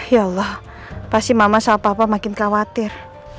ya allah pasti mama sama papa makin khawatir